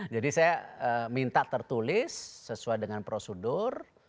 jadi saya minta tertulis sesuai dengan prosedur